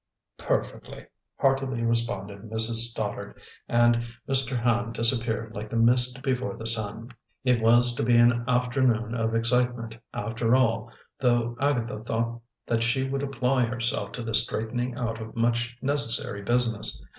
"Perfectly!" heartily responded Mrs. Stoddard, and Mr. Hand disappeared like the mist before the sun. It was to be an afternoon of excitement, after all, though Agatha thought that she would apply herself to the straightening out of much necessary business.